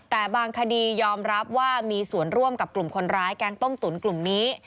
แต่บางคดียอมรับว่ามีส่วนร่วมกับกลุ่มคนร้ายแก๊งต้มตุ๋นกลุ่มนี้